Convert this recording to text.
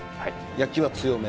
焼きは強め？